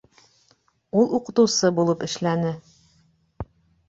Ул уҡытыусы булып эшләне